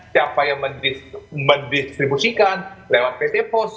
siapa yang mendistribusikan lewat pt pos